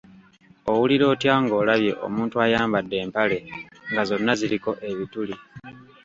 Owulira otya ng'olabye omuntu ayambadde empale nga zonna ziriko ebituli?